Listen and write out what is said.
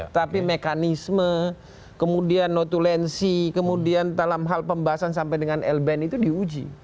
tapi mekanisme kemudian notulensi kemudian dalam hal pembahasan sampai dengan lbhn itu diuji